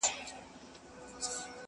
قاتلان او جاهلان یې سرداران دي؛